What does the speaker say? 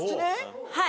はい